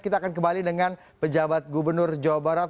kita akan kembali dengan pejabat gubernur jawa barat